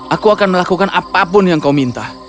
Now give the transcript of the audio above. aku akan melakukan apapun yang kau minta